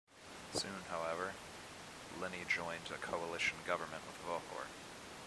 Soon, however, Lini joined a coalition government with Vohor.